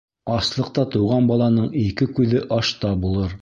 Аслыҡта тыуған баланың ике күҙе ашта булыр.